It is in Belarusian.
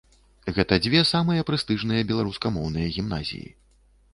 Гэта дзве самыя прэстыжныя беларускамоўныя гімназіі.